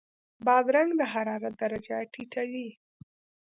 بادرنګ د حرارت درجه ټیټوي.